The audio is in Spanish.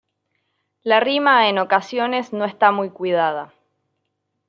La rima en ocasiones no está muy cuidada.